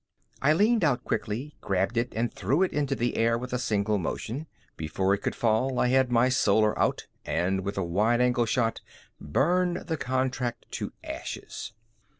I leaned out quickly, grabbed it and threw it into the air with a single motion. Before it could fall, I had my Solar out and, with a wide angle shot, burned the contract to ashes.